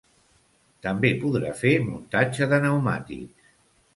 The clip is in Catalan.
També podrà fer muntatge de pneumàtics.